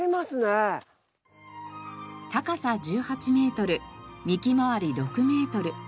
高さ１８メートル幹回り６メートル。